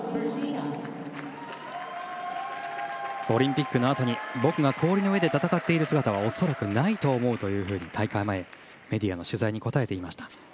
オリンピックのあとに僕が氷の上で戦っている姿は恐らくないと思うというふうに大会前、メディアの取材に答えていました。